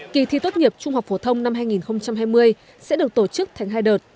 kỳ thi tốt nghiệp trung học phổ thông năm hai nghìn hai mươi sẽ được tổ chức thành hai đợt